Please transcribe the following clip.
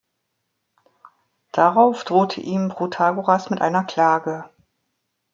Darauf drohte ihm Protagoras mit einer Klage.